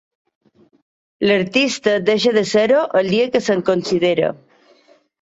L'artista deixa de ser-ho el dia que se'n considera.